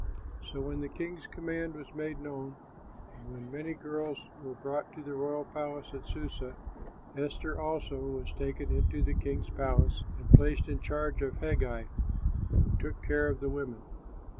So when the king's command was made known, and when many girls were brought to the royal palace at Susa, Esther also was taken into the king's palace and placed in the charge of Hegai, who took care of the women.